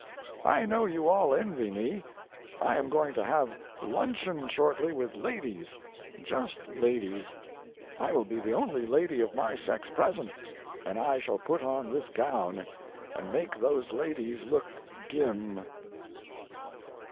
I know you all envy me. I am going to have luncheon shortly with ladies just ladies. I will be the only lady of my sex present, and I shall put on this gown and make those ladies look dim.